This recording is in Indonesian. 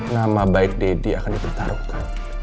nama baik daddy akan ditertaruhkan